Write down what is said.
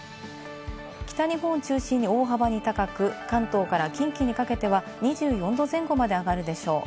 北日本を中心に大幅に高く、関東から近畿にかけては２４度前後まで上がるでしょう。